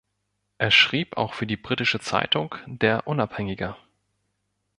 Er schrieb auch für die britische Zeitung „Der Unabhängige“.